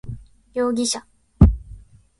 容疑者